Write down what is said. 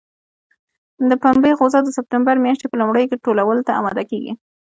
د پنبې غوزه د سپټمبر میاشتې په لومړیو کې ټولولو ته اماده کېږي.